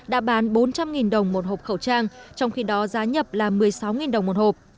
đã bán bốn trăm linh đồng một hộp khẩu trang trong khi đó giá nhập là một mươi sáu đồng một hộp